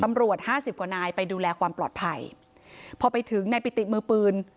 ตำรวจห้าสิบกว่านายไปดูแลความปลอดภัยพอไปถึงในปิติมือปืน